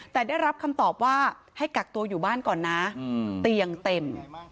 แต่ได้รับคำตอบว่าให้กักตัวอยู่บ้านก่อนนะเตียงเต็ม